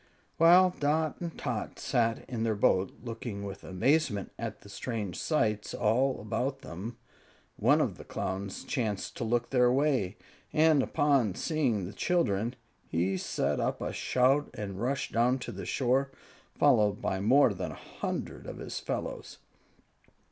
While Dot and Tot sat in their boat, looking with amazement at the strange sights all about them, one of the Clowns chanced to look their way, and upon seeing the children, he set up a shout and rushed down to the shore, followed by more than a hundred of his fellows.